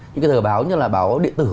những cái tờ báo như là báo điện tử